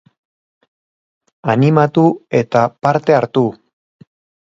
Animatu eta parte hartu!